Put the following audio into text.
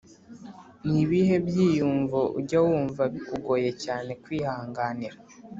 Ni ibihe byiyumvo ujya wumva bikugoye cyane kwihanganira